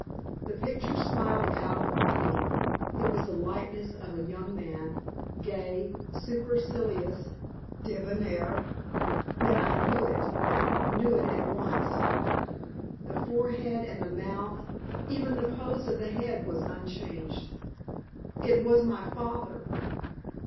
The picture smiled out upon me. It was the likeness of a young man gay, supercilious, debonair yet I knew it knew it at once. The forehead and the mouth, even the pose of the head was unchanged. It was my father.